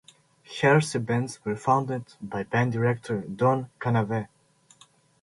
Hersey Bands were founded by band director Don Caneva.